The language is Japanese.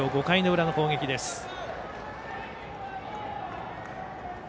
５回の裏の攻撃です。